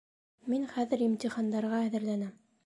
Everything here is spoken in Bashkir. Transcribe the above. Мин хәҙер имтихандарға әҙерләнәм